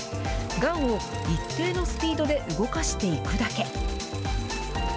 ガンを一定のスピードで動かしていくだけ。